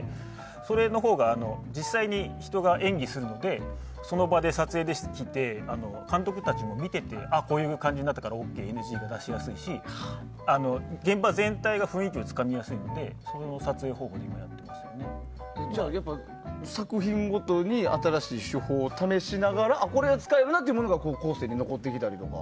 それのほうが実際に人が演技するのでその場で撮影できて監督たちも見ていてこういう感じになったからＯＫって出しやすいし現場全体が雰囲気をつかみやすいのでじゃあ、作品ごとに新しい手法を試しながらこれ、使えるなというものが後世に残ってきたりとか？